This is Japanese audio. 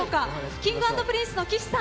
Ｋｉｎｇ＆Ｐｒｉｎｃｅの岸さん